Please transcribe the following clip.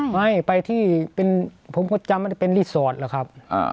ไม่ไปที่เป็นผมก็จำเป็นรีสอร์ทหรือครับ